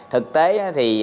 thực tế thì